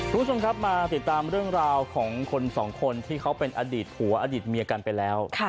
คุณผู้ชมครับมาติดตามเรื่องราวของคนสองคนที่เขาเป็นอดีตผัวอดีตเมียกันไปแล้ว